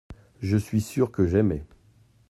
Je suis sûr que j’aimais.